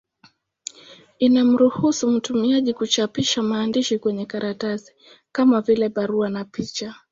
Inaruhusu mtumiaji kuchapisha maandishi kwenye karatasi, kama vile barua na picha.